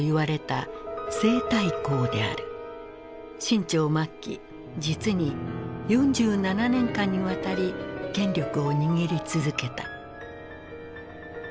清朝末期実に４７年間にわたり権力を握り続けた。